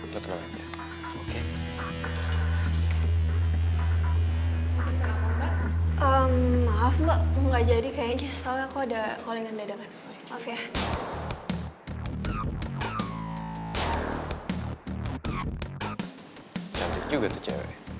lo tenang aja